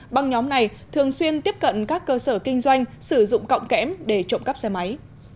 băng nhóm này thường xuyên tiếp cận các cơ sở kinh doanh sử dụng cọng kém để trộm cắp xe máy